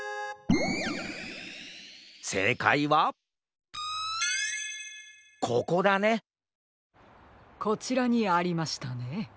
せいかいはここだねこちらにありましたね。